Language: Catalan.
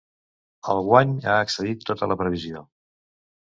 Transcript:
El guany ha excedit tota la previsió.